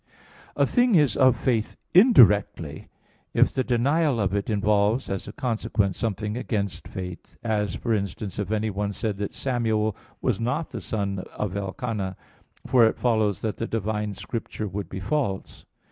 A thing is of faith, indirectly, if the denial of it involves as a consequence something against faith; as for instance if anyone said that Samuel was not the son of Elcana, for it follows that the divine Scripture would be false.